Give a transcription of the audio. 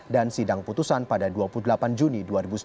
dan sidang putusan pada dua puluh delapan juni dua ribu sembilan belas